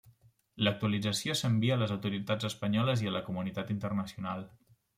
L'actualització s'envia a les autoritats espanyoles i a la comunitat internacional.